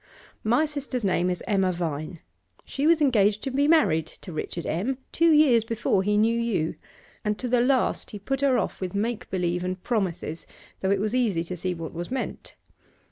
My sister's name is Emma Vine. She was engaged to be married to Richard M. two years before he knew you, and to the last he put her off with make believe and promises, though it was easy to see what was meant.